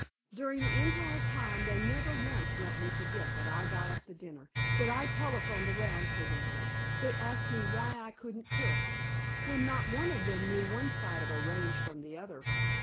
During the entire time they never once let me forget that I got up the dinner, that I telephoned around for them. They asked me why I couldn't cook when not one of them knew one side of a range from the other.